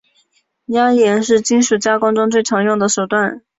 压延是金属加工中最常用的手段。